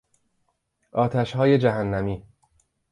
آتشهای جهنمی